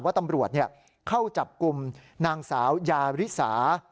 ว่าตำรวจเข้าจับกลุ่มนางสาวยาริสา